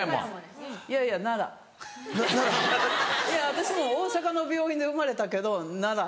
私も大阪の病院で生まれたけど奈良。